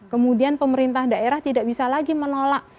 kemudian pemerintah daerah tidak bisa lagi menolak